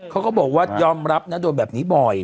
เขาก็บอกว่ายอมรับนะโดนแบบนี้บ่อย